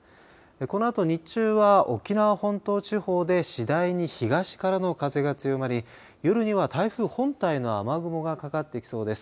このあと日中は沖縄本島地方で次第に東からの風が強まり夜には台風本体の雨雲がかかってきそうです。